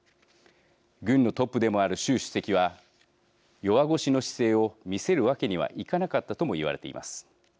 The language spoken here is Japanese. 軍のトップでもある習主席は弱腰の姿勢を見せるわけにはいかなかったとも言われています。